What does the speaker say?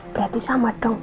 berarti sama dong